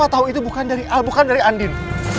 papa tau itu bukan dari al bukan dari andin